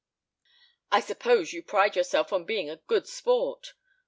"_)] "I suppose you pride yourself on being a good sport."